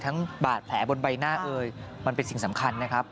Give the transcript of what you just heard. บาดแผลบนใบหน้าเอ่ยมันเป็นสิ่งสำคัญนะครับ